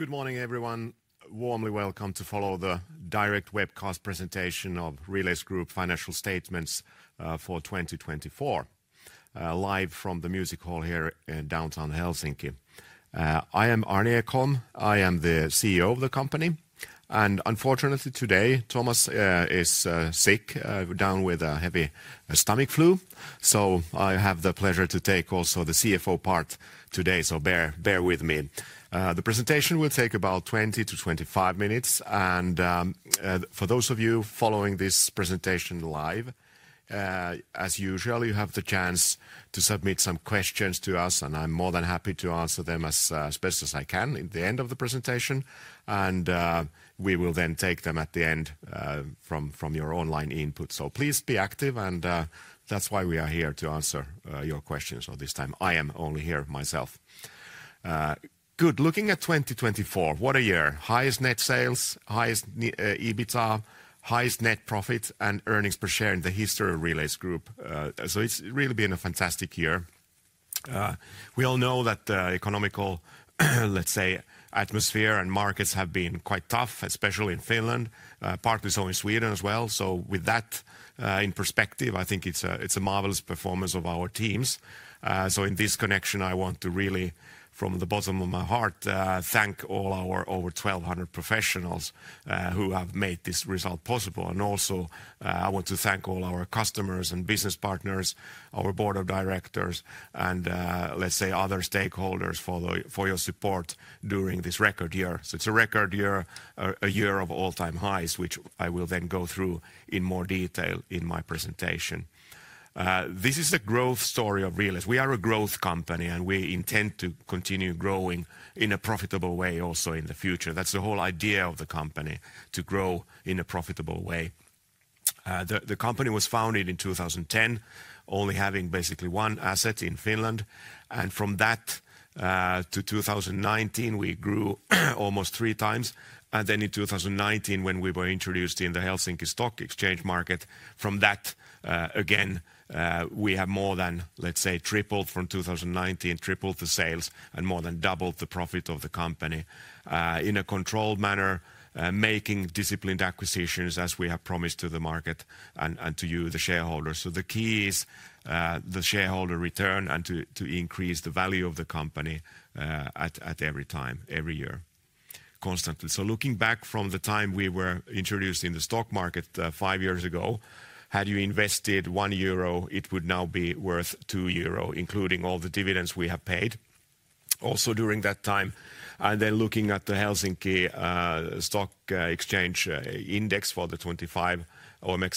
Good morning, everyone. Warmly welcome to follow the direct webcast presentation of Relais Group Financial Statements for 2024, live from the Music Hall here in downtown Helsinki. I am Arni Ekholm. I am the CEO of the company, and unfortunately today, Thomas is sick, down with a heavy stomach flu, so I have the pleasure to take also the CFO part today, so bear with me. The presentation will take about 20-25 minutes, and for those of you following this presentation live, as usual, you have the chance to submit some questions to us, and I'm more than happy to answer them as best as I can at the end of the presentation, and we will then take them at the end from your online input, so please be active, and that's why we are here to answer your questions, so this time I am only here myself. Good. Looking at 2024, what a year. Highest net sales, highest EBITDA, highest net profit and earnings per share in the history of Relais Group. So it's really been a fantastic year. We all know that the economic, let's say, atmosphere and markets have been quite tough, especially in Finland, partly so in Sweden as well. So with that in perspective, I think it's a marvelous performance of our teams. So in this connection, I want to really, from the bottom of my heart, thank all our over 1,200 professionals who have made this result possible. And also I want to thank all our customers and business partners, our board of directors, and let's say other stakeholders for your support during this record year. So it's a record year, a year of all-time highs, which I will then go through in more detail in my presentation. This is a growth story of Relais. We are a growth company and we intend to continue growing in a profitable way also in the future. That's the whole idea of the company, to grow in a profitable way. The company was founded in 2010, only having basically one asset in Finland, and from that to 2019, we grew almost three times. And then in 2019, when we were introduced in the Helsinki Stock Exchange market, from that again, we have more than, let's say, tripled from 2019, tripled the sales and more than doubled the profit of the company in a controlled manner, making disciplined acquisitions as we have promised to the market and to you, the shareholders, so the key is the shareholder return and to increase the value of the company at every time, every year, constantly. Looking back from the time we were introduced in the stock market five years ago, had you invested 1 euro, it would now be worth 2 euro, including all the dividends we have paid also during that time. And then looking at the Helsinki Stock Exchange index or the OMX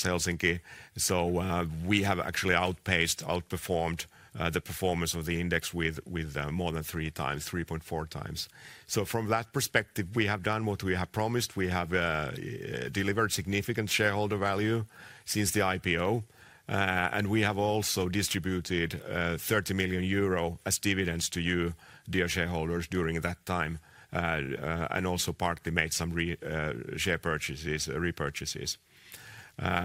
Helsinki 25, so we have actually outpaced, outperformed the performance of the index with more than 3x, 3.4x. So from that perspective, we have done what we have promised. We have delivered significant shareholder value since the IPO. And we have also distributed 30 million euro as dividends to you, dear shareholders, during that time. And also partly made some share purchases, repurchases.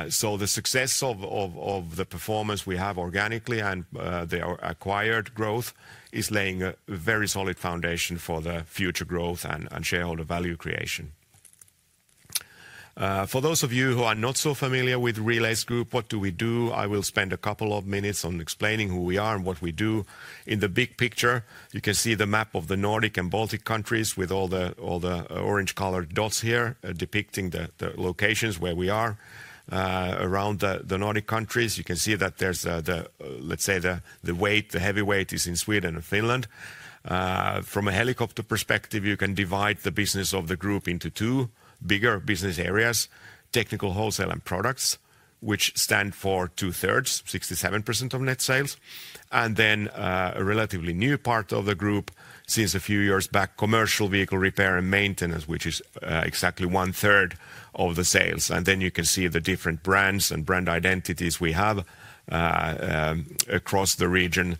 So the success of the performance we have organically and the acquired growth is laying a very solid foundation for the future growth and shareholder value creation. For those of you who are not so familiar with Relais Group, what do we do? I will spend a couple of minutes on explaining who we are and what we do. In the big picture, you can see the map of the Nordic and Baltic countries with all the orange-colored dots here depicting the locations where we are around the Nordic countries. You can see that there's the, let's say, the weight, the heavyweight is in Sweden and Finland. From a helicopter perspective, you can divide the business of the group into two bigger business areas, Technical Wholesale and Products, which stand for two-thirds, 67% of net sales, and then a relatively new part of the group since a few years back, commercial vehicle Repair and Maintenance, which is exactly one-third of the sales. Then you can see the different brands and brand identities we have across the region.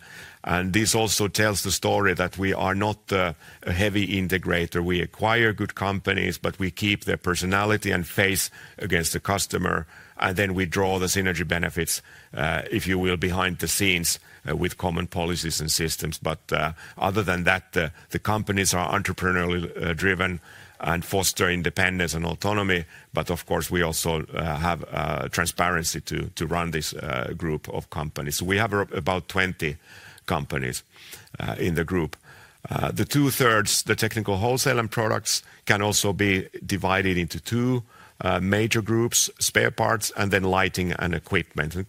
This also tells the story that we are not a heavy integrator. We acquire good companies, but we keep their personality and face against the customer. Then we draw the synergy benefits, if you will, behind the scenes with common policies and systems. Other than that, the companies are entrepreneurially driven and foster independence and autonomy. Of course, we also have transparency to run this group of companies. We have about 20 companies in the group. The two-thirds, the Technical Wholesale and Products, can also be divided into two major groups, Spare Parts, and then Lighting and Equipment,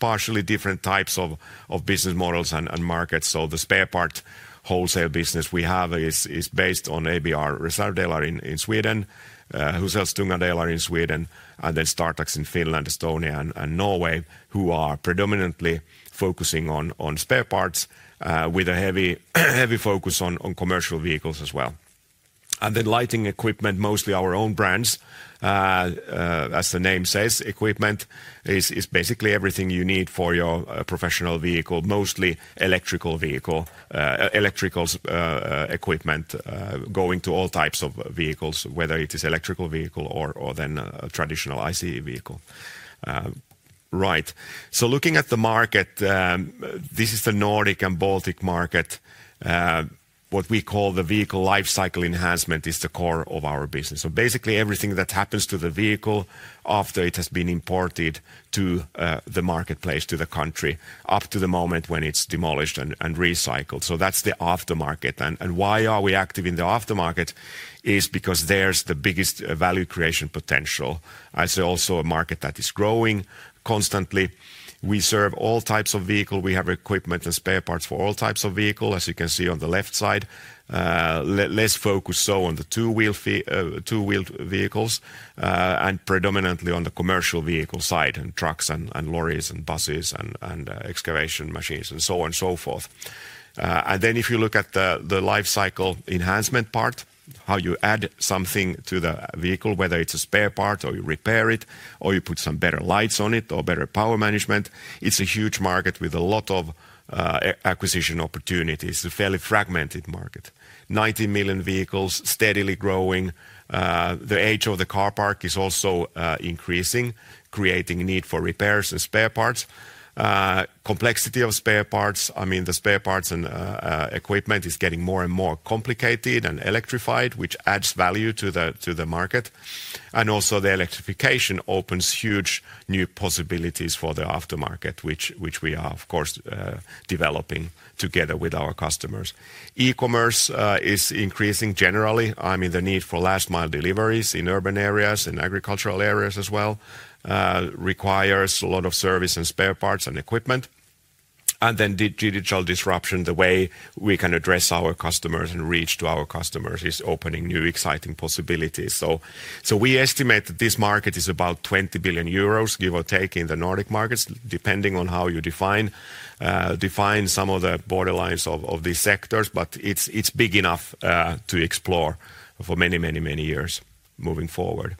partially different types of business models and markets. So the spare part wholesale business we have is based on ABR Reservdelar in Sweden, Huzells Tunga Delar in Sweden, and then Startax in Finland, Estonia, and Norway, who are predominantly focusing on Spare Parts with a heavy focus on commercial vehicles as well. And then lighting equipment, mostly our own brands, as the name says, equipment is basically everything you need for your professional vehicle, mostly electric vehicle, electrical equipment going to all types of vehicles, whether it is electric vehicle or then a traditional ICE vehicle. Right. So looking at the market, this is the Nordic and Baltic market. What we call the vehicle lifecycle enhancement is the core of our business. So basically everything that happens to the vehicle after it has been imported to the marketplace, to the country, up to the moment when it's demolished and recycled. So that's the aftermarket. Why are we active in the aftermarket is because there's the biggest value creation potential. It's also a market that is growing constantly. We serve all types of vehicle. We have equipment and Spare Parts for all types of vehicle, as you can see on the left side. Less focus so on the two-wheeled vehicles and predominantly on the commercial vehicle side and trucks and lorries and buses and excavation machines and so on and so forth. If you look at the lifecycle enhancement part, how you add something to the vehicle, whether it's a spare part or you repair it or you put some better lights on it or better power management, it's a huge market with a lot of acquisition opportunities. It's a fairly fragmented market, 90 million vehicles steadily growing. The age of the car park is also increasing, creating need for repairs and Spare Parts. Complexity of Spare Parts, I mean, the Spare Parts and Equipment is getting more and more complicated and electrified, which adds value to the market. And also the electrification opens huge new possibilities for the aftermarket, which we are, of course, developing together with our customers. E-commerce is increasing generally. I mean, the need for last-mile deliveries in urban areas and agricultural areas as well requires a lot of service and Spare Parts and equipment. And then digital disruption, the way we can address our customers and reach to our customers is opening new exciting possibilities. So we estimate that this market is about 20 billion euros, give or take, in the Nordic markets, depending on how you define some of the borderlines of these sectors. But it's big enough to explore for many, many, many years moving forward.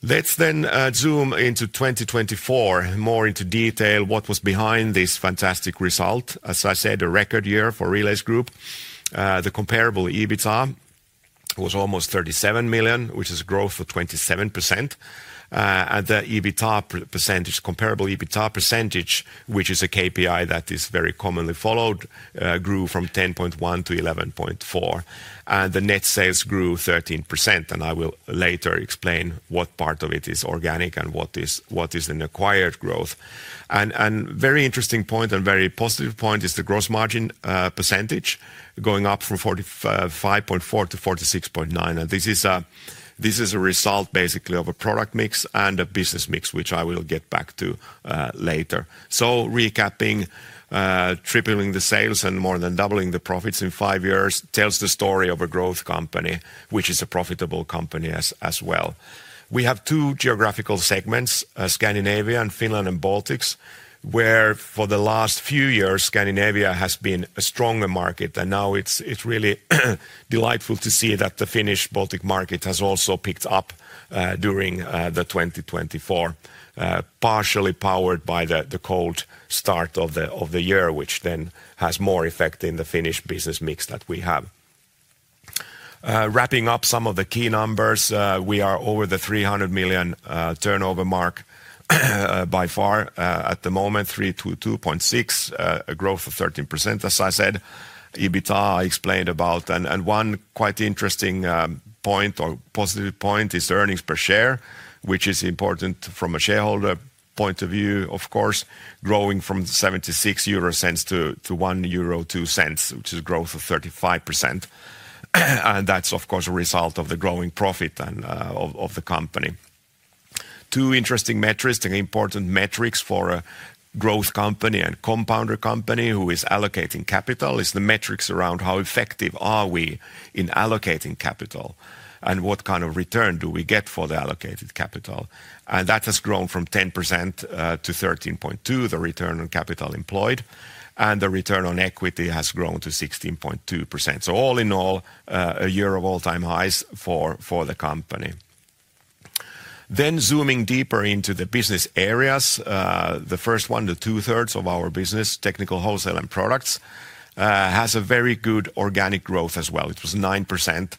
Let's then zoom into 2024, more into detail, what was behind this fantastic result. As I said, a record year for Relais Group. The comparable EBITDA was almost 37 million, which is a growth of 27%. And the EBITDA percentage, comparable EBITDA percentage, which is a KPI that is very commonly followed, grew from 10.1% to 11.4%. And the net sales grew 13%. And I will later explain what part of it is organic and what is an acquired growth. And a very interesting point and very positive point is the gross margin percentage going up from 45.4% to 46.9%. And this is a result basically of a product mix and a business mix, which I will get back to later. Recapping, tripling the sales and more than doubling the profits in five years tells the story of a growth company, which is a profitable company as well. We have two geographical segments, Scandinavia and Finland and Baltics, where for the last few years, Scandinavia has been a stronger market. And now it's really delightful to see that the Finnish Baltic market has also picked up during 2024, partially powered by the cold start of the year, which then has more effect in the Finnish business mix that we have. Wrapping up some of the key numbers, we are over the 300 million EUR turnover mark by far at the moment, 322.6, a growth of 13%, as I said. EBITDA, I explained about. One quite interesting point or positive point is earnings per share, which is important from a shareholder point of view, of course, growing from 0.76 to 1.02 euro, which is a growth of 35%. That's, of course, a result of the growing profit of the company. Two interesting metrics, important metrics for a growth company and compounder company who is allocating capital is the metrics around how effective are we in allocating capital and what kind of return do we get for the allocated capital. That has grown from 10% to 13.2%, the return on capital employed. The return on equity has grown to 16.2%. All in all, a year of all-time highs for the company. Then zooming deeper into the business areas, the first one, the two-thirds of our business, Technical Wholesale and Products, has a very good organic growth as well. It was 9%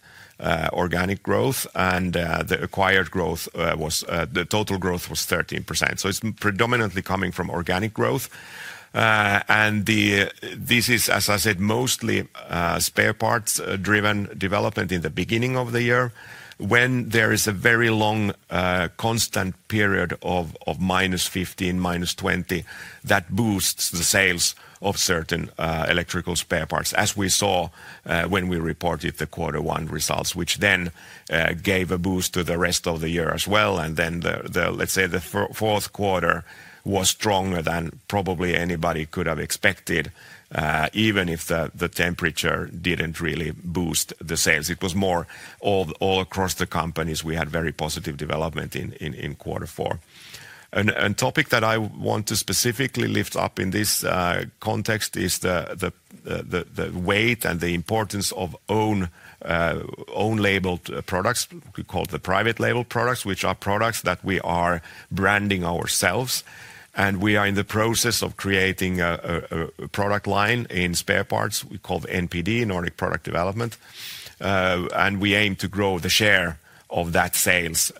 organic growth. And the acquired growth was the total growth was 13%. So it's predominantly coming from organic growth. And this is, as I said, mostly Spare Parts-driven development in the beginning of the year when there is a very long constant period of -15 degrees Celsius, -20 degrees Celsius that boosts the sales of certain electrical Spare Parts, as we saw when we reported the quarter one results, which then gave a boost to the rest of the year as well. And then the, let's say, the fourth quarter was stronger than probably anybody could have expected, even if the temperature didn't really boost the sales. It was more all across the companies. We had very positive development in quarter four. A topic that I want to specifically lift up in this context is the weight and the importance of own labeled products, we call the Private Label Products, which are products that we are branding ourselves, and we are in the process of creating a product line in Spare Parts we call NPD, Nordic Product Development, and we aim to grow the share of that sales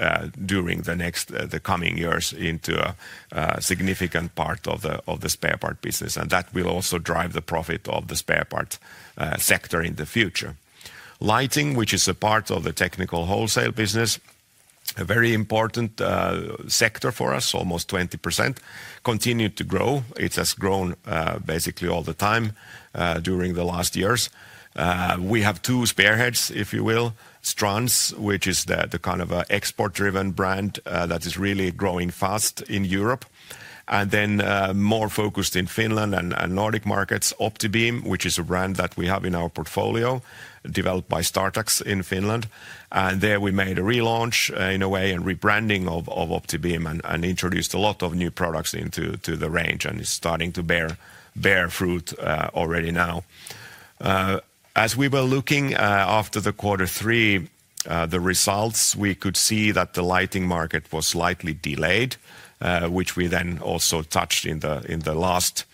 during the next coming years into a significant part of the spare part business, and that will also drive the profit of the Spare Parts sector in the future. Lighting, which is a part of the Technical Wholesale business, a very important sector for us, almost 20%, continued to grow. It has grown basically all the time during the last years. We have two spearheads, if you will, Strands, which is the kind of export-driven brand that is really growing fast in Europe. And then more focused in Finland and Nordic markets, Optibeam, which is a brand that we have in our portfolio, developed by Startax in Finland. And there we made a relaunch in a way and rebranding of Optibeam and introduced a lot of new products into the range and is starting to bear fruit already now. As we were looking after the quarter three, the results, we could see that the lighting market was slightly delayed, which we then also touched in the last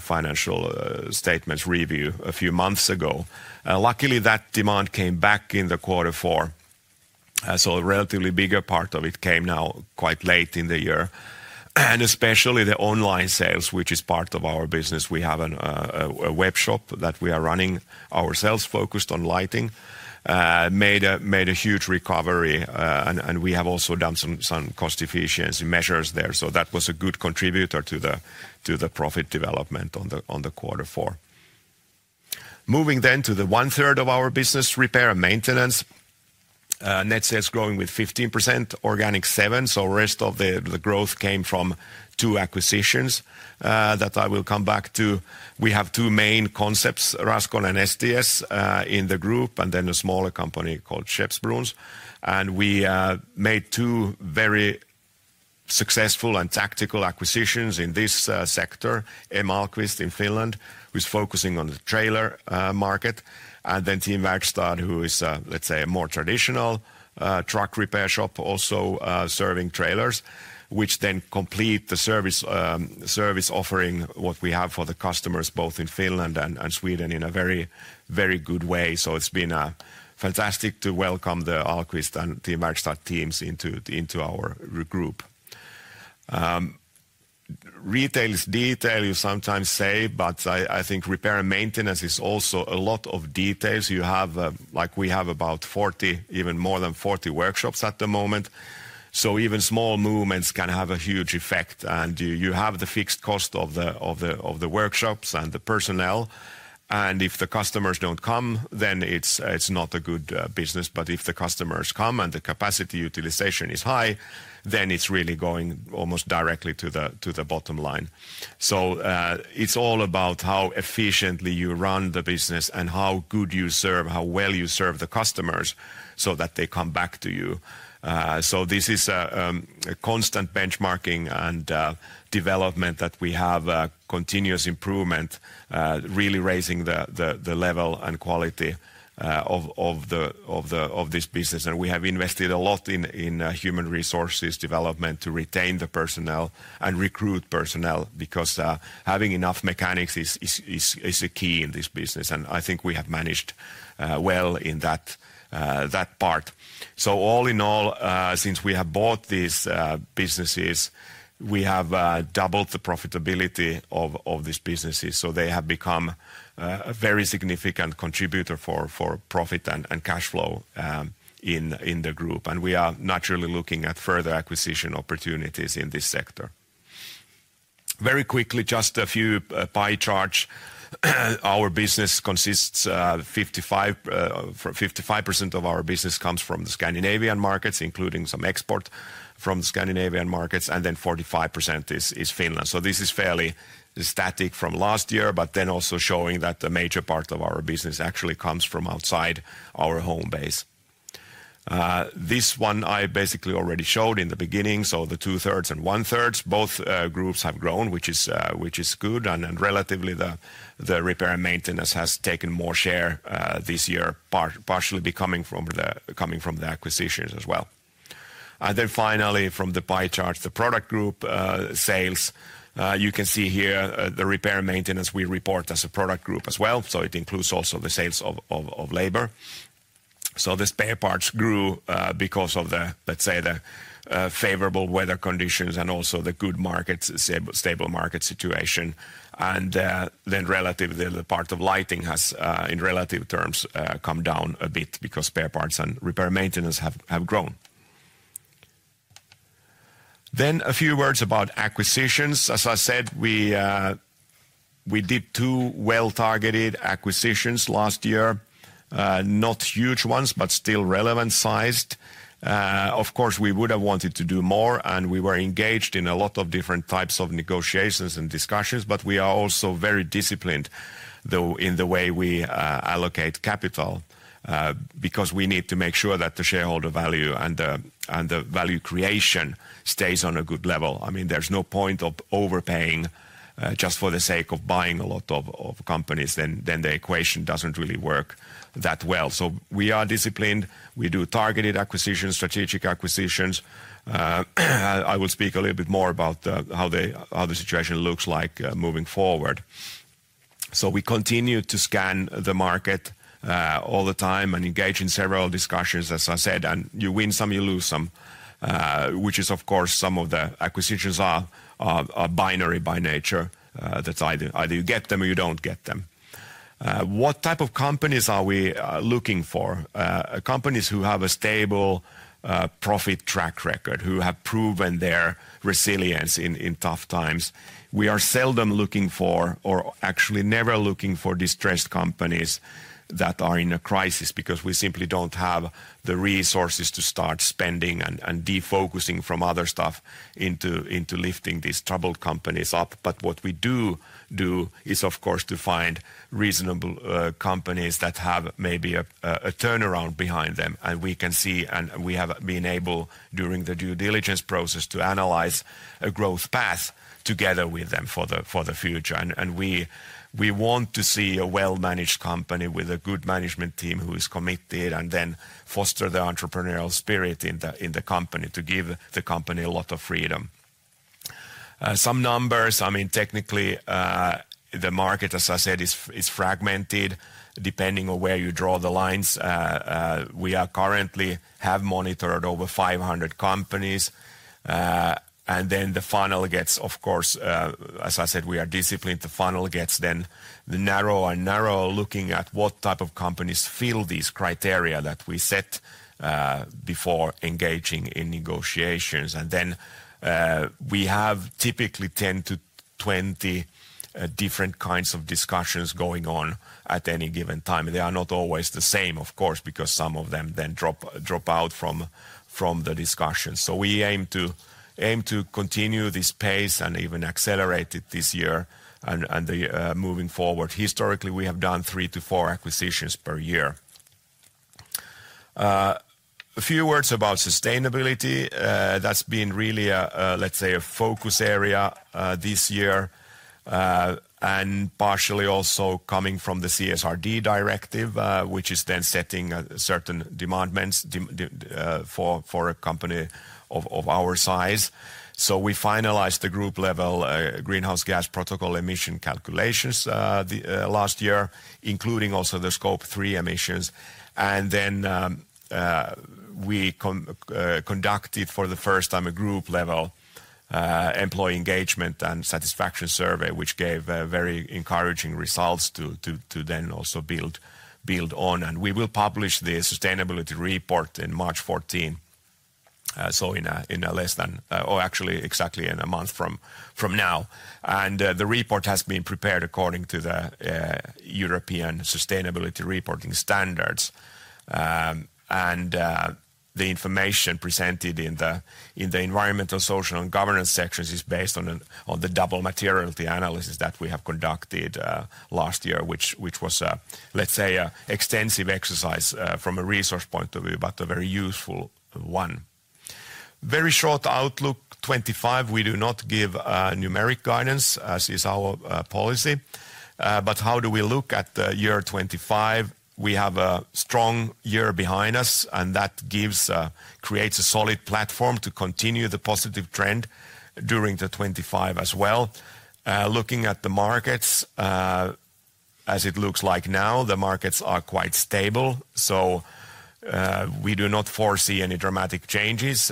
financial statements review a few months ago. Luckily, that demand came back in the quarter four. So a relatively bigger part of it came now quite late in the year. And especially the online sales, which is part of our business. We have a webshop that we are running, ourselves focused on lighting, made a huge recovery. We have also done some cost efficiency measures there. That was a good contributor to the profit development in quarter four. Moving to the one-third of our business, Repair and Maintenance, net sales growing with 15%, organic 7%. The rest of the growth came from two acquisitions that I will come back to. We have two main concepts, Raskone and STS in the group, and then a smaller company called Skeppsbrons. We made two very successful and tactical acquisitions in this sector, A.M. Alqvist in Finland, who is focusing on the trailer market. Then Team Verkstad, who is, let's say, a more traditional truck repair shop, also serving trailers, which then complete the service offering what we have for the customers, both in Finland and Sweden, in a very, very good way. It's been fantastic to welcome the Alqvist and Team Verkstad teams into our group. Retail is detail, you sometimes say, but I think Repair and Maintenance is also a lot of details. You have, like we have, about 40, even more than 40 workshops at the moment. Even small movements can have a huge effect. You have the fixed cost of the workshops and the personnel. If the customers don't come, then it's not a good business. But if the customers come and the capacity utilization is high, then it's really going almost directly to the bottom line. It's all about how efficiently you run the business and how good you serve, how well you serve the customers so that they come back to you. This is a constant benchmarking and development that we have continuous improvement, really raising the level and quality of this business. We have invested a lot in human resources development to retain the personnel and recruit personnel because having enough mechanics is a key in this business. I think we have managed well in that part. All in all, since we have bought these businesses, we have doubled the profitability of these businesses. They have become a very significant contributor for profit and cash flow in the group. We are naturally looking at further acquisition opportunities in this sector. Very quickly, just a few pie charts. Our business consists of 55% of our business comes from the Scandinavian markets, including some export from the Scandinavian markets, and then 45% is Finland. This is fairly static from last year, but then also showing that a major part of our business actually comes from outside our home base. This one I basically already showed in the beginning. The two-thirds and one-third, both groups have grown, which is good. Relatively, the Repair and Maintenance has taken more share this year, partially coming from the acquisitions as well. Finally, from the pie chart, the Product Group Sales, you can see here the Repair and Maintenance we report as a product group as well. It includes also the sales of labor. The Spare Parts grew because of the, let's say, the favorable weather conditions and also the good market, stable market situation. Relatively, the part of lighting has, in relative terms, come down a bit because Spare Parts and repair maintenance have grown. A few words about acquisitions. As I said, we did two well-targeted acquisitions last year, not huge ones, but still relevant sized. Of course, we would have wanted to do more, and we were engaged in a lot of different types of negotiations and discussions. We are also very disciplined, though, in the way we allocate capital because we need to make sure that the shareholder value and the value creation stays on a good level. I mean, there's no point of overpaying just for the sake of buying a lot of companies. Then the equation doesn't really work that well. We are disciplined. We do targeted acquisitions, strategic acquisitions. I will speak a little bit more about how the situation looks like moving forward. We continue to scan the market all the time and engage in several discussions, as I said. You win some, you lose some, which is, of course, some of the acquisitions are binary by nature. That is, either you get them or you do not get them. What type of companies are we looking for? Companies who have a stable profit track record, who have proven their resilience in tough times. We are seldom looking for, or actually never looking for, distressed companies that are in a crisis because we simply do not have the resources to start spending and defocusing from other stuff into lifting these troubled companies up. What we do do is, of course, to find reasonable companies that have maybe a turnaround behind them. We can see, and we have been able during the due diligence process to analyze a growth path together with them for the future. We want to see a well-managed company with a good management team who is committed and then foster the entrepreneurial spirit in the company to give the company a lot of freedom. Some numbers, I mean, technically, the market, as I said, is fragmented depending on where you draw the lines. We currently have monitored over 500 companies. The funnel gets, of course, as I said, we are disciplined. The funnel gets then narrower and narrower, looking at what type of companies fill these criteria that we set before engaging in negotiations. We have typically 10-20 different kinds of discussions going on at any given time. They are not always the same, of course, because some of them then drop out from the discussion. We aim to continue this pace and even accelerate it this year and moving forward. Historically, we have done three to four acquisitions per year. A few words about sustainability. That's been really, let's say, a focus area this year and partially also coming from the CSRD directive, which is then setting certain demandments for a company of our size. We finalized the group-level Greenhouse Gas Protocol emission calculations last year, including also the Scope 3 emissions. We conducted for the first time a group-level employee engagement and satisfaction survey, which gave very encouraging results to then also build on. We will publish the sustainability report on March 14, so in less than, or actually exactly in a month from now. The report has been prepared according to the European Sustainability Reporting Standards. The information presented in the environmental, social, and governance sections is based on the double materiality analysis that we have conducted last year, which was, let's say, an extensive exercise from a resource point of view, but a very useful one. Very short outlook 2025, we do not give numeric guidance, as is our policy. How do we look at year 2025? We have a strong year behind us, and that creates a solid platform to continue the positive trend during 2025 as well. Looking at the markets, as it looks like now, the markets are quite stable. We do not foresee any dramatic changes,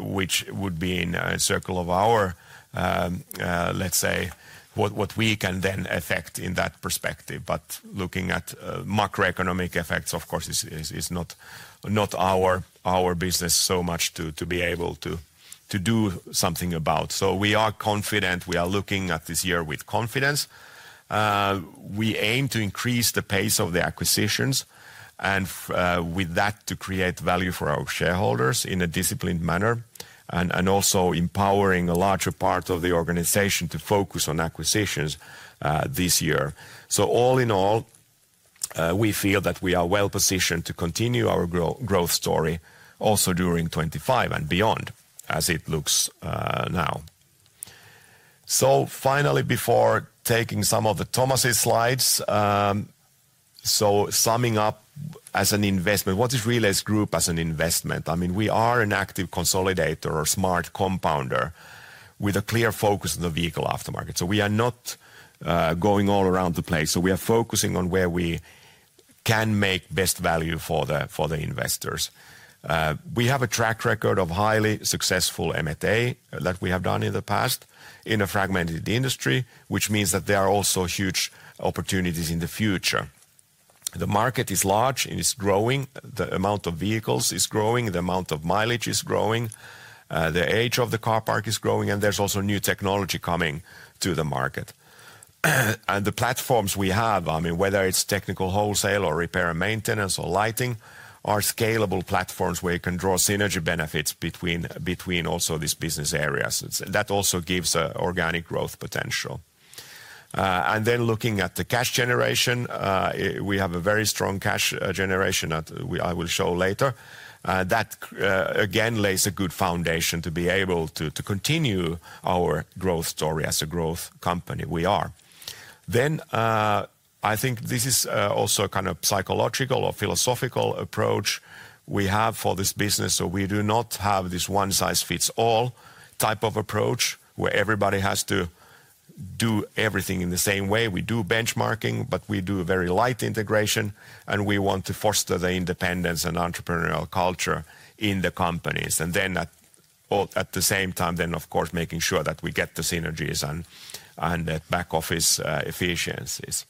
which would be in a circle of our, let's say, what we can then affect in that perspective. Looking at macroeconomic effects, of course, is not our business so much to be able to do something about. We are confident. We are looking at this year with confidence. We aim to increase the pace of the acquisitions and with that to create value for our shareholders in a disciplined manner and also empowering a larger part of the organization to focus on acquisitions this year. All in all, we feel that we are well positioned to continue our growth story also during 2025 and beyond, as it looks now. Finally, before taking some of Thomas's slides, summing up as an investment, what is Relais Group as an investment? I mean, we are an active consolidator or smart compounder with a clear focus on the vehicle aftermarket. We are not going all around the place. We are focusing on where we can make best value for the investors. We have a track record of highly successful M&A that we have done in the past in a fragmented industry, which means that there are also huge opportunities in the future. The market is large and is growing. The amount of vehicles is growing. The amount of mileage is growing. The age of the car park is growing, and there is also new technology coming to the market. The platforms we have, I mean, whether it is technical wholesale or Repair and Maintenance or lighting, are scalable platforms where you can draw synergy benefits between also these business areas. That also gives organic growth potential. Looking at the cash generation, we have a very strong cash generation that I will show later. That again lays a good foundation to be able to continue our growth story as a growth company we are. I think this is also a kind of psychological or philosophical approach we have for this business. We do not have this one-size-fits-all type of approach where everybody has to do everything in the same way. We do benchmarking, but we do very light integration, and we want to foster the independence and entrepreneurial culture in the companies. At the same time, of course, making sure that we get the synergies and back office efficiencies.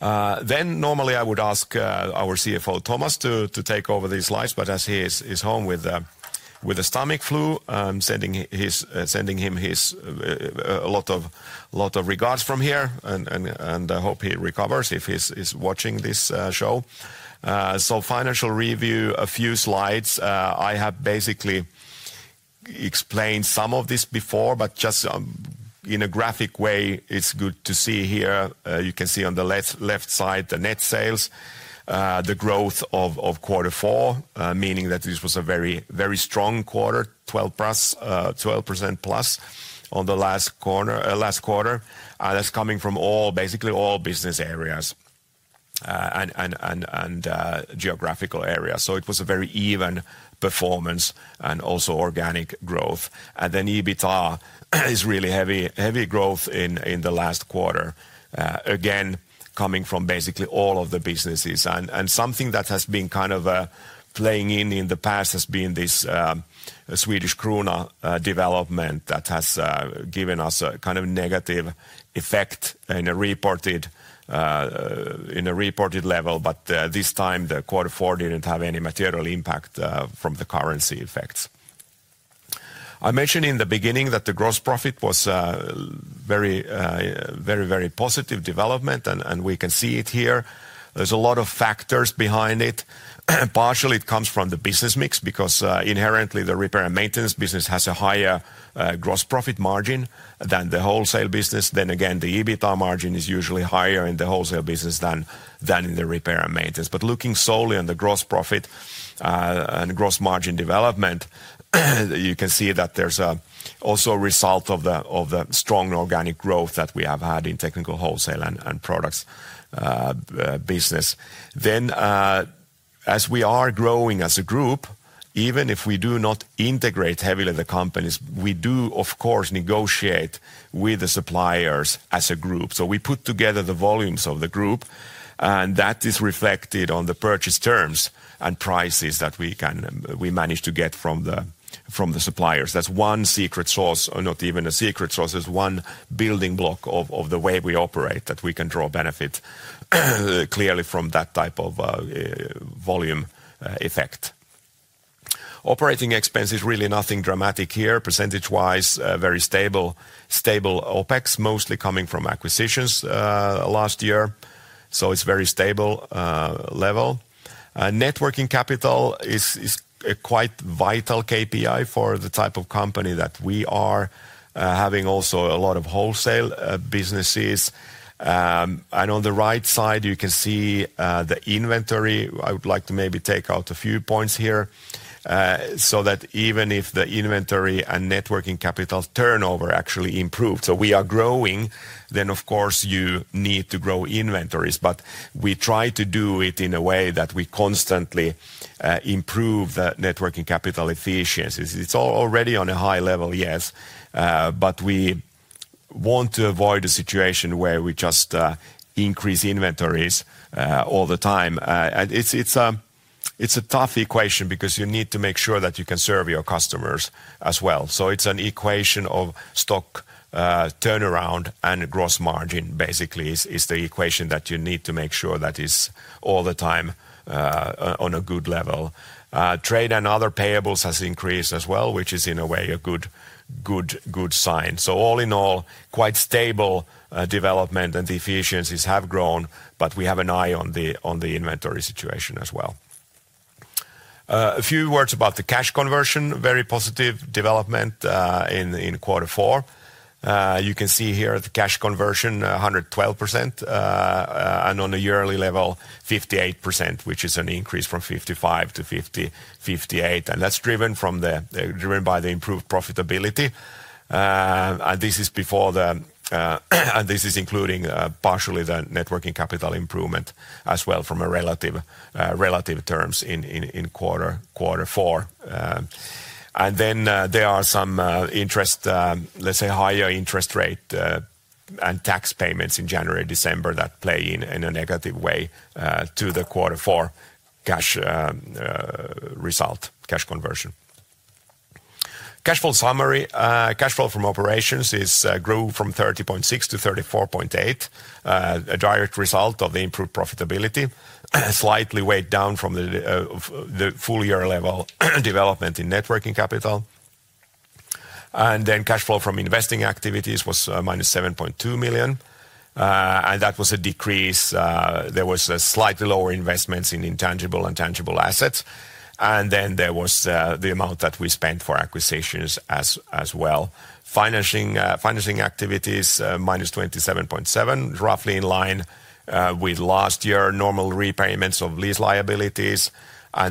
Normally I would ask our CFO, Thomas, to take over these slides, but as he is home with the stomach flu, sending him a lot of regards from here, and I hope he recovers if he's watching this show. Financial review, a few slides. I have basically explained some of this before, but just in a graphic way, it's good to see here. You can see on the left side the net sales, the growth of quarter four, meaning that this was a very strong quarter, 12% plus on the last quarter. That's coming from basically all business areas and geographical areas. It was a very even performance and also organic growth. EBITDA is really heavy growth in the last quarter, again coming from basically all of the businesses. Something that has been kind of playing in in the past has been this Swedish Krona development that has given us a kind of negative effect in a reported level. This time the quarter four did not have any material impact from the currency effects. I mentioned in the beginning that the gross profit was a very, very positive development, and we can see it here. There's a lot of factors behind it. Partially it comes from the business mix because inherently the Repair and Maintenance business has a higher gross profit margin than the wholesale business. Then again, the EBITDA margin is usually higher in the wholesale business than in the Repair and Maintenance. Looking solely on the gross profit and gross margin development, you can see that there's also a result of the strong organic growth that we have had in Technical Wholesale and Products business. As we are growing as a group, even if we do not integrate heavily the companies, we do, of course, negotiate with the suppliers as a group. We put together the volumes of the group, and that is reflected on the purchase terms and prices that we manage to get from the suppliers. That's one secret source, or not even a secret source, is one building block of the way we operate that we can draw benefit clearly from that type of volume effect. Operating expense is really nothing dramatic here. Percentage-wise, very stable OPEX, mostly coming from acquisitions last year. It is a very stable level. Net working capital is a quite vital KPI for the type of company that we are having also a lot of wholesale businesses. On the right side, you can see the inventory. I would like to maybe take out a few points here so that even if the inventory and net working capital turnover actually improved. We are growing. Of course, you need to grow inventories, but we try to do it in a way that we constantly improve the net working capital efficiencies. It's already on a high level, yes, but we want to avoid a situation where we just increase inventories all the time. It's a tough equation because you need to make sure that you can serve your customers as well. It's an equation of stock turnaround and gross margin, basically, is the equation that you need to make sure that is all the time on a good level. Trade and other payables has increased as well, which is in a way a good sign. All in all, quite stable development and the efficiencies have grown, but we have an eye on the inventory situation as well. A few words about the cash conversion, very positive development in quarter four. You can see here the cash conversion, 112%, and on a yearly level, 58%, which is an increase from 55% to 58%. That's driven by the improved profitability. This is before the, and this is including partially the net working capital improvement as well from relative terms in quarter four. There are some interest, let's say, higher interest rate and tax payments in January and December that play in a negative way to the quarter four cash result, cash conversion. Cash flow summary, cash flow from operations grew from 30.6 million to 34.8 million, a direct result of the improved profitability, slightly weighed down from the full year level development in net working capital. Cash flow from investing activities was -7.2 million. That was a decrease. There was a slightly lower investment in intangible and tangible assets. There was the amount that we spent for acquisitions as well. Financing activities, -27.7 million, roughly in line with last year, normal repayments of lease liabilities.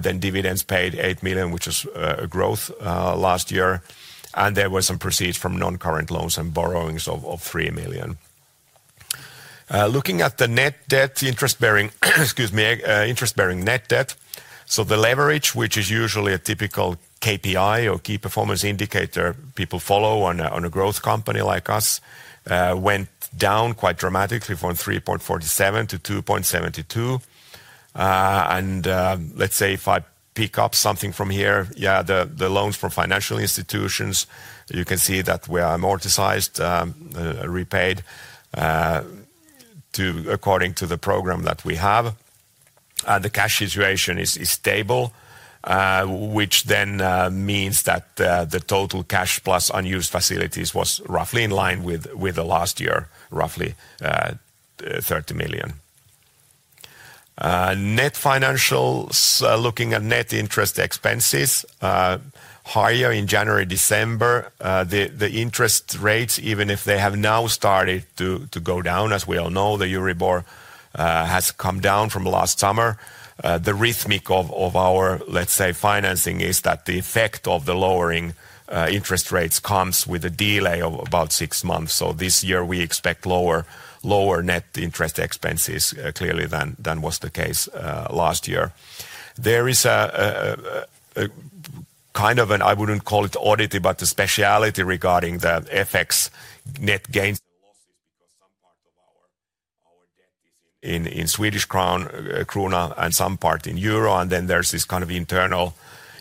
Dividends paid 8 million, which was a growth last year. There were some proceeds from non-current loans and borrowings of 3 million. Looking at the net debt, interest-bearing net debt. The leverage, which is usually a typical KPI or key performance indicator people follow on a growth company like us, went down quite dramatically from 3.47 to 2.72. If I pick up something from here, the loans from financial institutions, you can see that we are amortized, repaid according to the program that we have. The cash situation is stable, which means that the total cash plus unused facilities was roughly in line with last year, roughly EUR 30 million. Net financials, looking at net interest expenses, higher in January-December. The interest rates, even if they have now started to go down, as we all know, the Euribor has come down from last summer. The rhythmic of our, let's say, financing is that the effect of the lowering interest rates comes with a delay of about six months. This year we expect lower net interest expenses clearly than was the case last year. There is a kind of an, I wouldn't call it audit, but a speciality regarding the FX net gains and losses because some part of our debt is in Swedish Krona and some part in euro. There is this kind of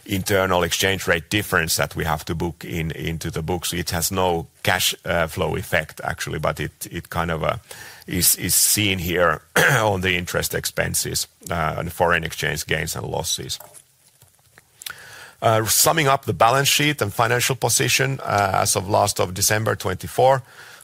internal exchange rate difference that we have to book into the books. It has no cash flow effect actually, but it kind of is seen here on the interest expenses and foreign exchange gains and losses. Summing up the balance sheet and financial position as of last of December 2024,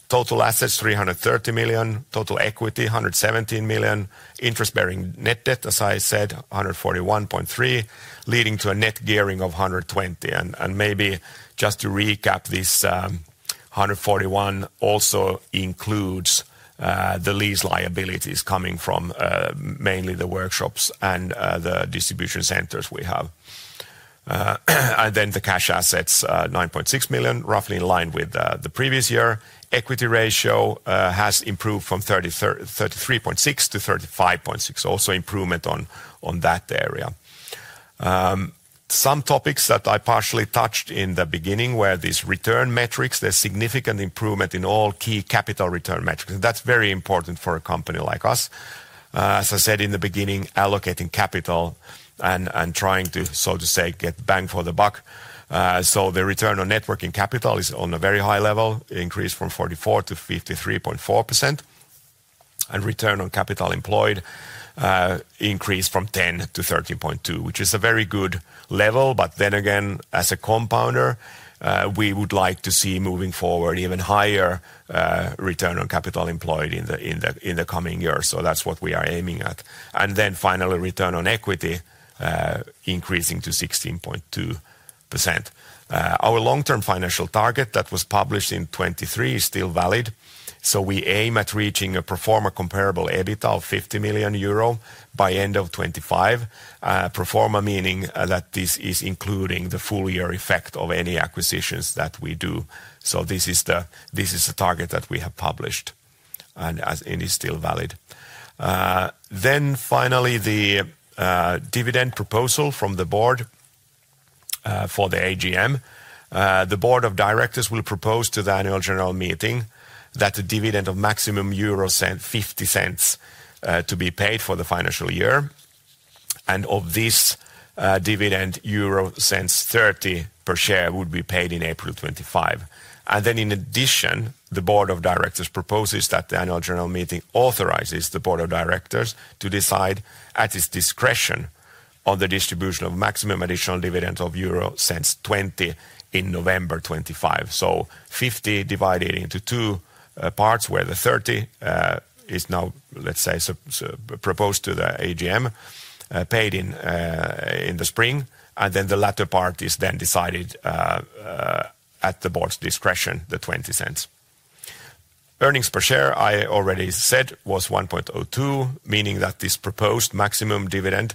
total assets 330 million, total equity 117 million, interest-bearing net debt, as I said, 141.3 million, leading to a net gearing of 120%. Maybe just to recap, this 141 million also includes the lease liabilities coming from mainly the workshops and the distribution centers we have. The cash assets, 9.6 million, roughly in line with the previous year. Equity ratio has improved from 33.6% to 35.6%, also improvement on that area. Some topics that I partially touched in the beginning were these return metrics. There is significant improvement in all key capital return metrics. That is very important for a company like us. As I said in the beginning, allocating capital and trying to, so to say, get bang for the buck. The return on net working capital is on a very high level, increased from 44% to 53.4%. Return on capital employed increased from 10% to 13.2%, which is a very good level. As a compounder, we would like to see moving forward even higher return on capital employed in the coming years. That is what we are aiming at. Finally, return on equity increasing to 16.2%. Our long-term financial target that was published in 2023 is still valid. We aim at reaching a pro forma comparable EBITDA of 50 million euro by end of 2025. Pro forma meaning that this is including the full year effect of any acquisitions that we do. This is a target that we have published and it is still valid. Finally, the dividend proposal from the board for the AGM. The board of directors will propose to the annual general meeting that the dividend of maximum 0.50 to be paid for the financial year. Of this dividend, 0.30 per share would be paid in April 2025. In addition, the board of directors proposes that the annual general meeting authorizes the board of directors to decide at its discretion on the distribution of maximum additional dividend of 0.20 euro in November 2025. Fifty divided into two parts where the 0.30 is now, let's say, proposed to the AGM paid in the spring. The latter part is then decided at the board's discretion, the 0.20. Earnings per share, I already said, was 1.02, meaning that this proposed maximum dividend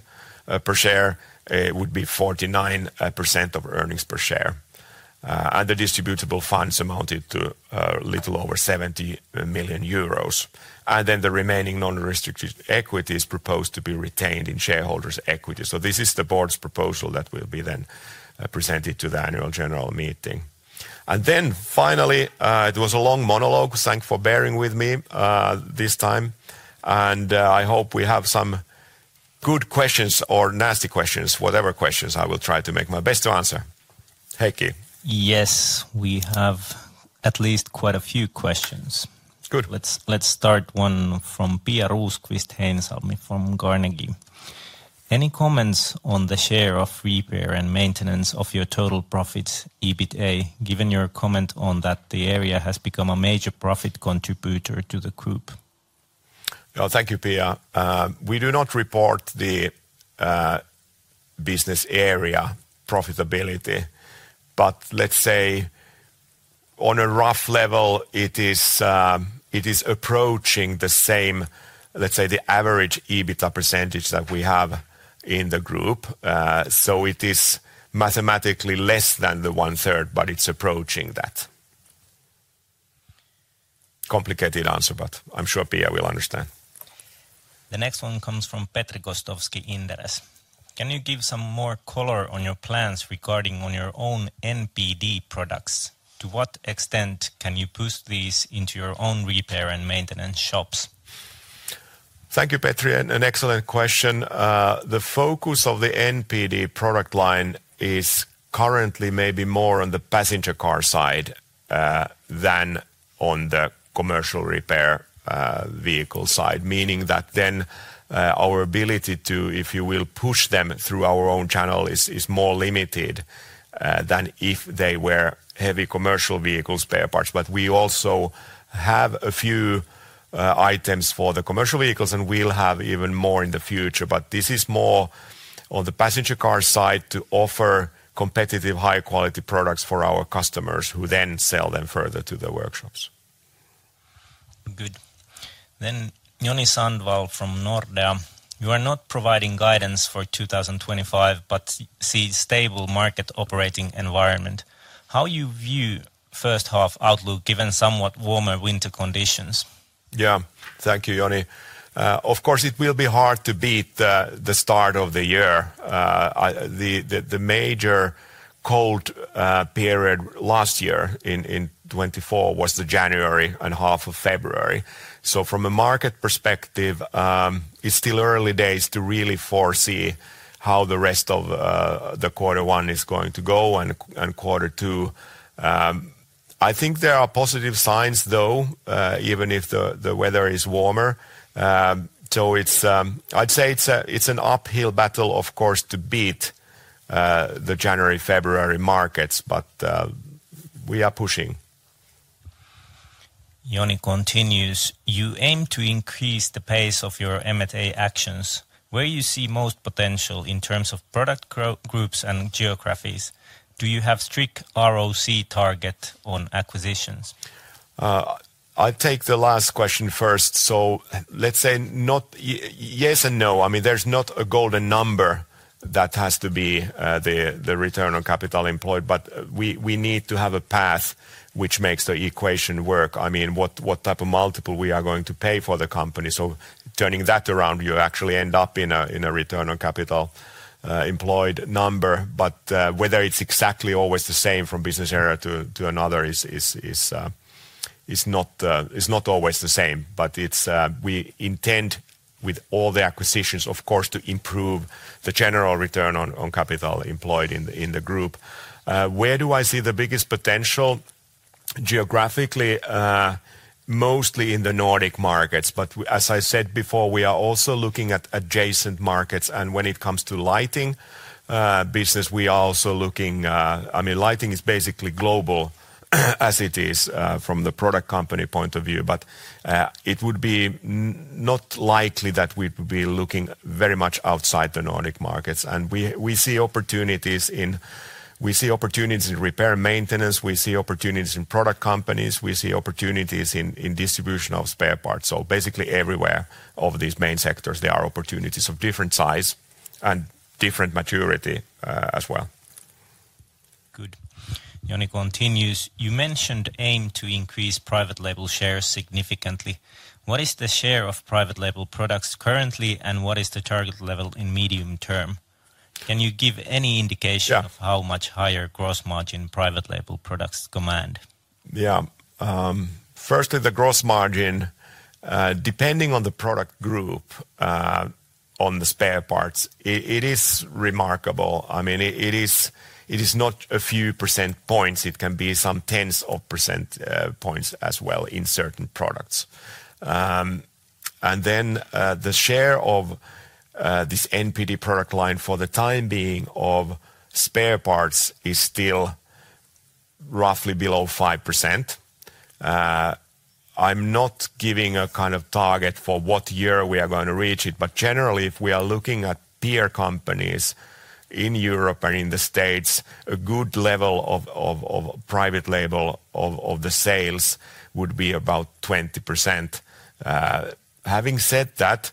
per share would be 49% of earnings per share. The distributable funds amounted to a little over 70 million euros. The remaining non-restricted equity is proposed to be retained in shareholders' equity. This is the board's proposal that will be then presented to the annual general meeting. Finally, it was a long monologue. Thanks for bearing with me this time. I hope we have some good questions or nasty questions, whatever questions I will try to make my best to answer. Heikki. Yes, we have at least quite a few questions. Good. Let's start one from Pia Rosqvist-Heinsalmi from Carnegie. Any comments on the share of Repair and Maintenance of your total profits, EBITDA, given your comment on that the area has become a major profit contributor to the group? Thank you, Pia. We do not report the business area profitability, but let's say on a rough level, it is approaching the same, let's say, the average EBITDA % that we have in the group. It is mathematically less than the one-third, but it's approaching that. Complicated answer, but I'm sure Pia will understand. The next one comes from Petri Gostowski, Inderes. Can you give some more color on your plans regarding your own NPD products? To what extent can you push these into your own Repair and Maintenance shops? Thank you, Petri. An excellent question. The focus of the NPD product line is currently maybe more on the passenger car side than on the commercial repair vehicle side, meaning that then our ability to, if you will, push them through our own channel is more limited than if they were heavy commercial vehicles Spare Parts. We also have a few items for the commercial vehicles and we'll have even more in the future. This is more on the passenger car side to offer competitive high-quality products for our customers who then sell them further to the workshops. Good. Joni Sandvall from Nordea. You are not providing guidance for 2025, but see stable market operating environment. How do you view first half outlook given somewhat warmer winter conditions? Yeah, thank you, Joni. Of course, it will be hard to beat the start of the year. The major cold period last year in 2024 was the January and half of February. From a market perspective, it's still early days to really foresee how the rest of the quarter one is going to go and quarter two. I think there are positive signs though, even if the weather is warmer. I'd say it's an uphill battle, of course, to beat the January-February markets, but we are pushing. Joni continues. You aim to increase the pace of your M&A actions. Where do you see most potential in terms of product groups and geographies? Do you have strict ROC target on acquisitions? I take the last question first. Let's say not yes and no. I mean, there's not a golden number that has to be the return on capital employed, but we need to have a path which makes the equation work. I mean, what type of multiple we are going to pay for the company. Turning that around, you actually end up in a return on capital employed number. Whether it's exactly always the same from business area to another is not always the same. But we intend with all the acquisitions, of course, to improve the general return on capital employed in the group. Where do I see the biggest potential geographically? Mostly in the Nordic markets. As I said before, we are also looking at adjacent markets. When it comes to lighting business, we are also looking, I mean, lighting is basically global as it is from the product company point of view. It would be not likely that we would be looking very much outside the Nordic markets. We see opportunities in repair maintenance. We see opportunities in product companies. We see opportunities in distribution of Spare Parts. Basically everywhere of these main sectors, there are opportunities of different size and different maturity as well. Good. Joni continues. You mentioned aim to increase private label shares significantly. What is the share of Private Label Products currently and what is the target level in medium term? Can you give any indication of how much higher gross margin Private Label Products command? Yeah. Firstly, the gross margin, depending on the product group, on the Spare Parts, it is remarkable. I mean, it is not a few percentage points. It can be some tens of percentage points as well in certain products. The share of this NPD product line for the time being of Spare Parts is still roughly below 5%. I'm not giving a kind of target for what year we are going to reach it. Generally, if we are looking at peer companies in Europe and in the States, a good level of private label of the sales would be about 20%. Having said that,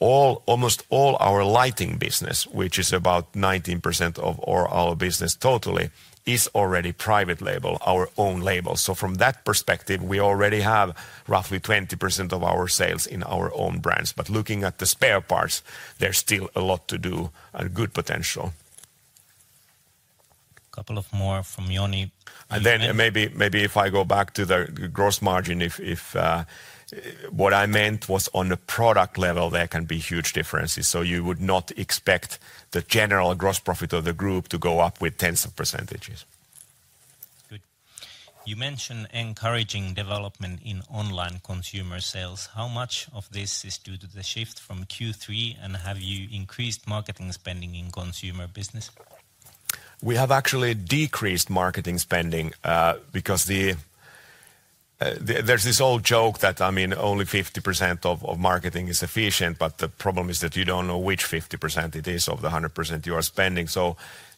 almost all our lighting business, which is about 19% of our business totally, is already private label, our own label. From that perspective, we already have roughly 20% of our sales in our own brands. Looking at the Spare Parts, there is still a lot to do and good potential. Couple of more from Joni. If I go back to the gross margin, what I meant was on the product level, there can be huge differences. You would not expect the general gross profit of the group to go up with tens of percentages. Good. You mentioned encouraging development in online consumer sales. How much of this is due to the shift from Q3 and have you increased marketing spending in consumer business? We have actually decreased marketing spending because there's this old joke that, I mean, only 50% of marketing is efficient, but the problem is that you don't know which 50% it is of the 100% you are spending.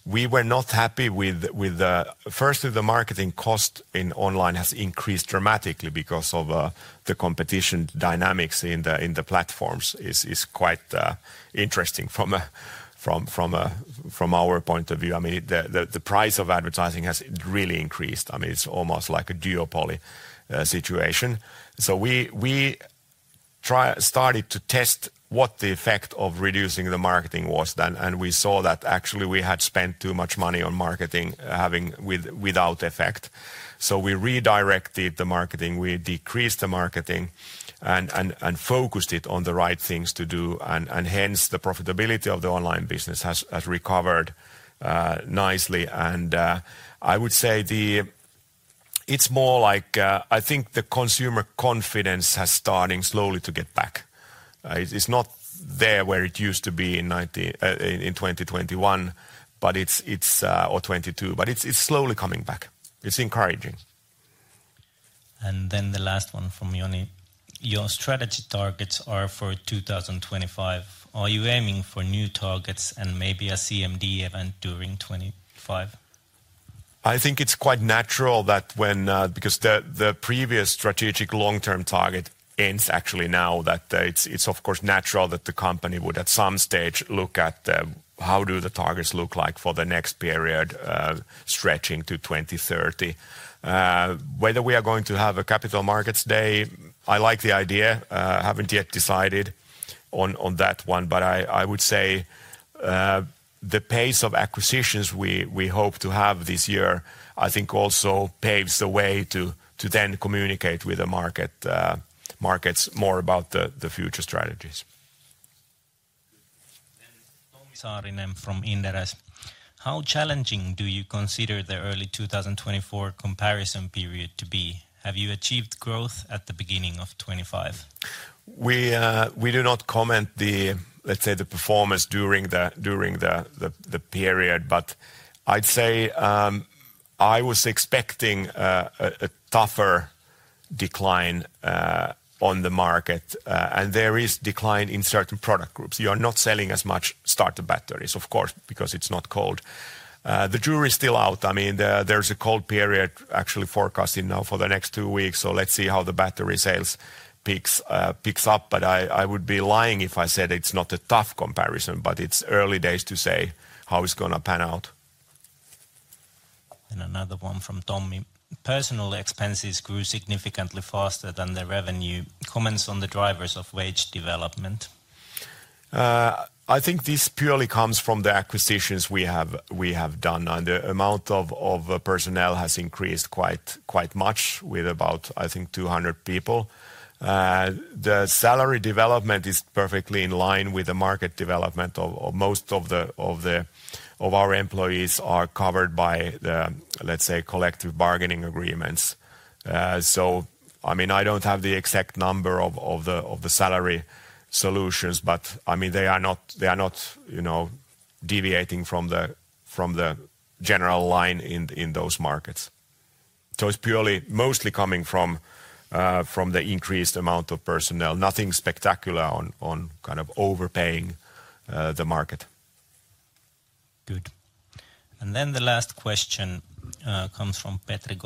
We were not happy with the firstly, the marketing cost in online has increased dramatically because of the competition dynamics in the platforms is quite interesting from our point of view. I mean, the price of advertising has really increased. I mean, it's almost like a duopoly situation. We started to test what the effect of reducing the marketing was. We saw that actually we had spent too much money on marketing without effect. We redirected the marketing. We decreased the marketing and focused it on the right things to do. Hence the profitability of the online business has recovered nicely. I would say it's more like, I think the consumer confidence has started slowly to get back. It's not there where it used to be in 2021 or 2022, but it's slowly coming back. It's encouraging. The last one from Joni. Your strategy targets are for 2025. Are you aiming for new targets and maybe a CMD event during 2025? I think it's quite natural that when because the previous strategic long-term target ends actually now, that it's of course natural that the company would at some stage look at how do the targets look like for the next period stretching to 2030. Whether we are going to have a capital markets day, I like the idea. Haven't yet decided on that one, but I would say the pace of acquisitions we hope to have this year, I think also paves the way to then communicate with the markets more about the future strategies. Tomi Saarinen from Inderes. How challenging do you consider the early 2024 comparison period to be? Have you achieved growth at the beginning of 2025? We do not comment, let's say, the performance during the period, but I'd say I was expecting a tougher decline on the market. There is decline in certain product groups. You are not selling as much starter batteries, of course, because it's not cold. The jury is still out. I mean, there is a cold period actually forecasted now for the next two weeks. Let's see how the battery sales picks up. I would be lying if I said it's not a tough comparison, but it's early days to say how it's going to pan out. Another one from Tomi. Personal expenses grew significantly faster than the revenue. Comments on the drivers of wage development? I think this purely comes from the acquisitions we have done. The amount of personnel has increased quite much with about, I think, 200 people. The salary development is perfectly in line with the market development of most of our employees are covered by the, let's say, collective bargaining agreements. I don't have the exact number of the salary solutions, but they are not deviating from the general line in those markets. It's purely mostly coming from the increased amount of personnel. Nothing spectacular on kind of overpaying the market. Good. The last question comes from Petri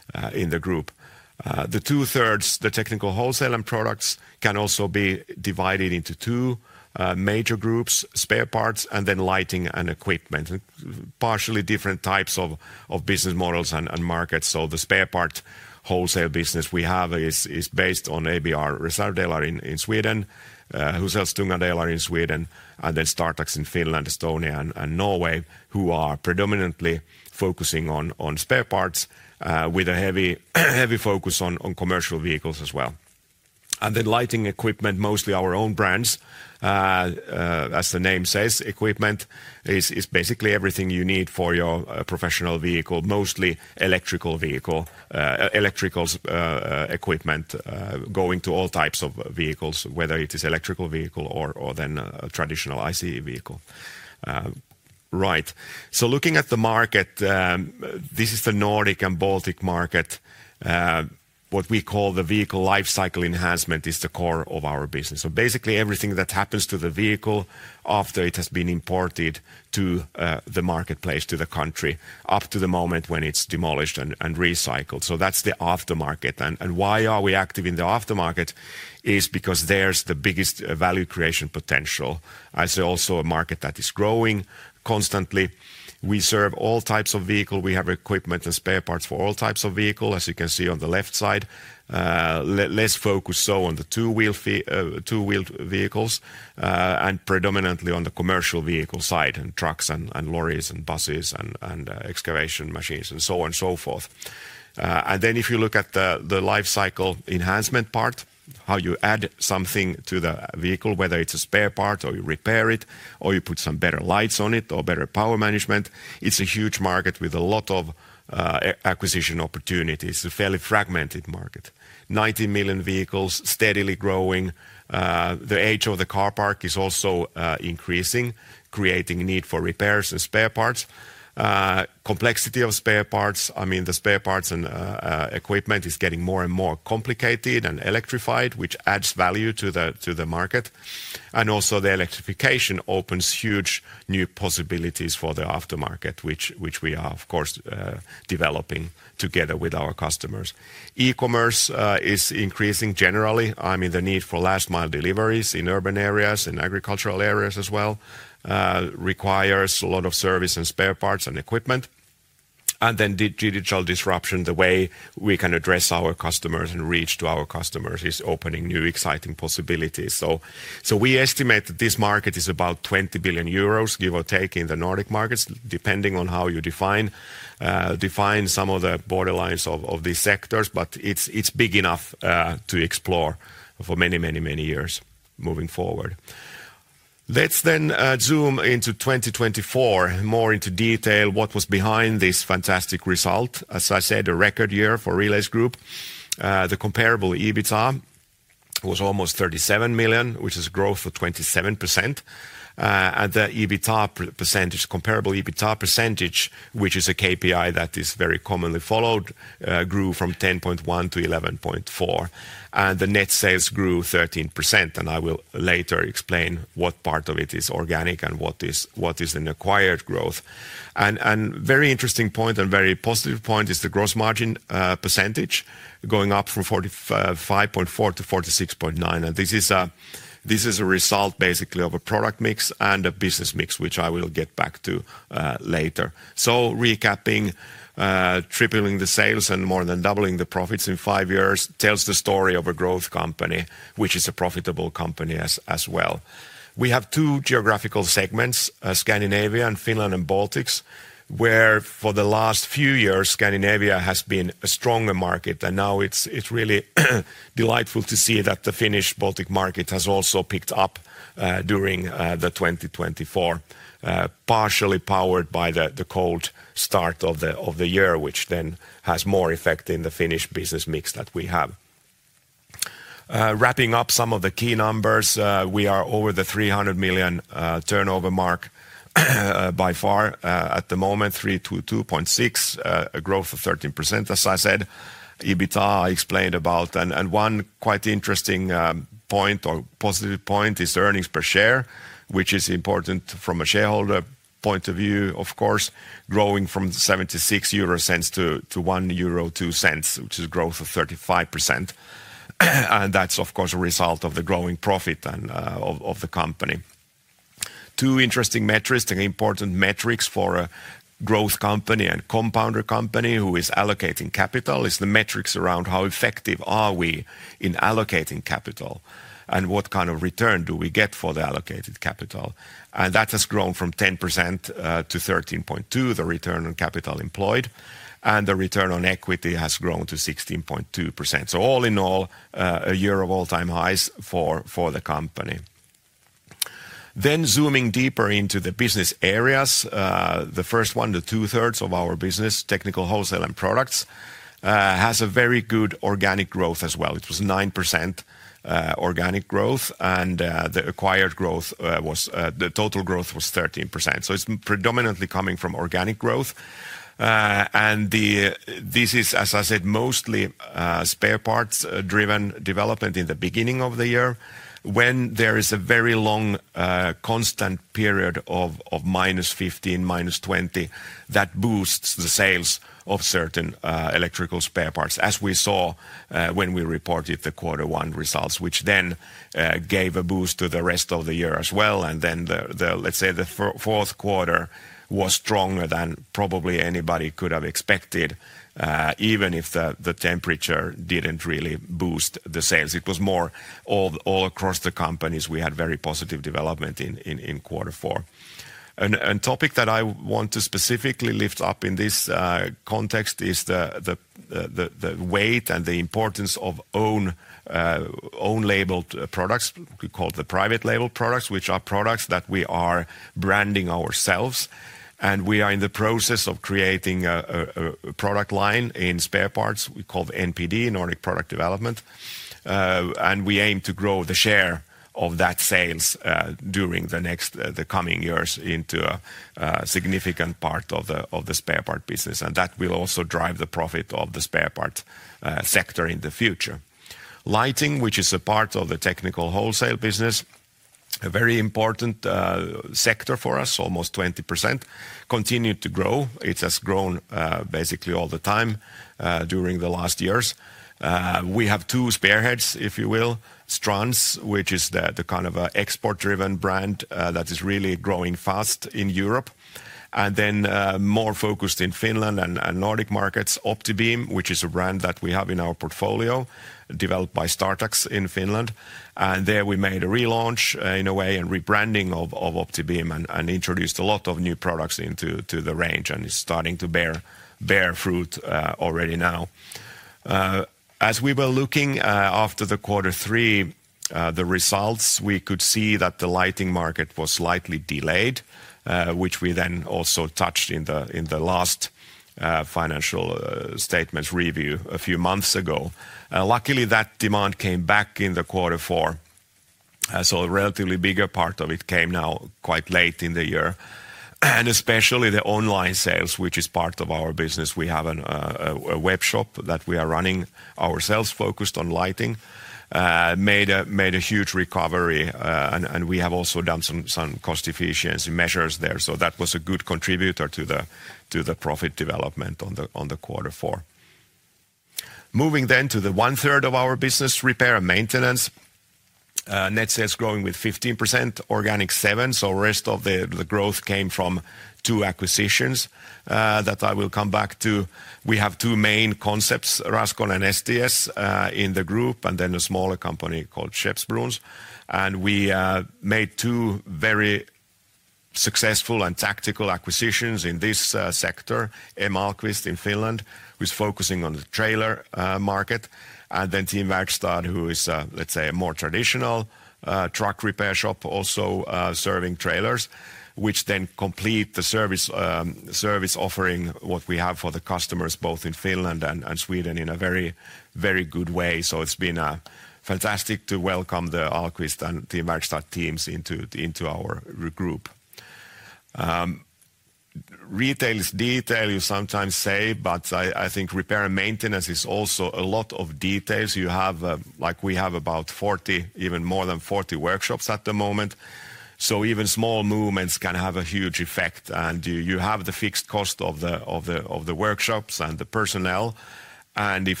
Gostowski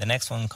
Inderes.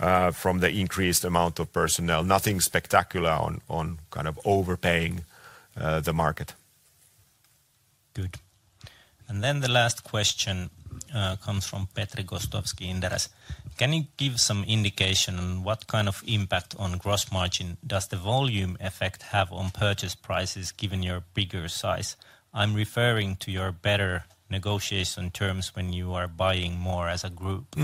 Can you give some indication on what kind of impact on gross margin does the volume effect have on purchase prices given your bigger size? I'm referring to your better negotiation terms when you are buying more as a group.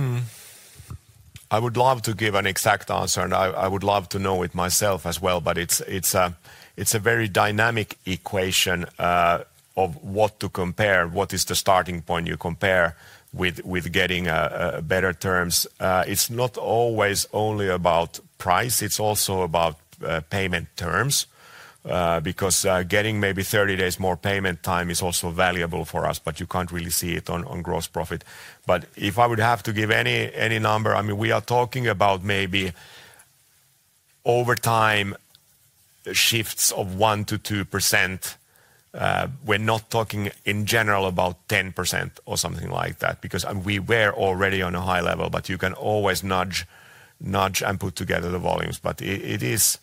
I would love to give an exact answer, and I would love to know it myself as well, but it's a very dynamic equation of what to compare. What is the starting point you compare with getting better terms? It's not always only about price. It's also about payment terms because getting maybe 30 days more payment time is also valuable for us, but you can't really see it on gross profit. If I would have to give any number, I mean, we are talking about maybe overtime shifts of 1-2%. We're not talking in general about 10% or something like that because we were already on a high level, but you can always nudge and put together the volumes. It is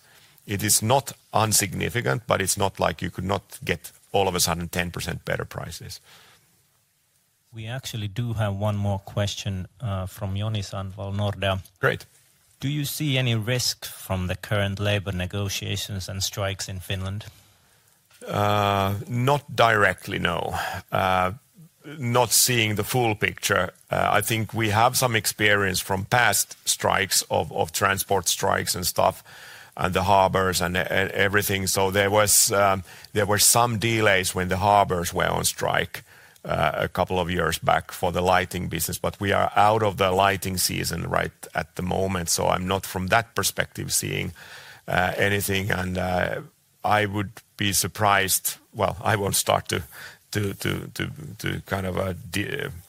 not unsignificant, but it's not like you could not get all of a sudden 10% better prices. We actually do have one more question from Joni Sandvall, Nordea. Great. Do you see any risk from the current labor negotiations and strikes in Finland? Not directly, no. Not seeing the full picture. I think we have some experience from past strikes of transport strikes and stuff and the harbors and everything. There were some delays when the harbors were on strike a couple of years back for the lighting business, but we are out of the lighting season right at the moment. I'm not from that perspective seeing anything. I would be surprised, I won't start to kind of